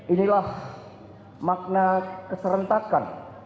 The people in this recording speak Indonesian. inilah makna keserentakan